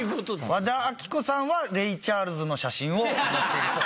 和田アキ子さんはレイ・チャールズの写真を持ってるそうです。